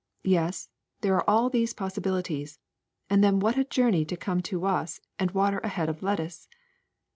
Yes, there are all these possibilities ; and then what a journey to come to us and water a head of lettuce